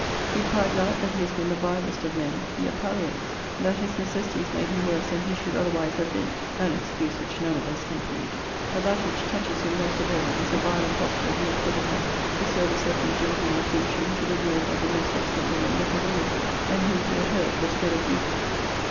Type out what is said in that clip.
He cries out, that he has been the vilest of men: yet palliates, that his necessities made him worse than he should otherwise have been; [an excuse which none of us can plead:] but that which touches him most of all, is a vile imposture he was put upon, to serve a certain gentleman of fortune to the ruin of the most excellent woman that ever lived; and who, he had heard, was dead of grief.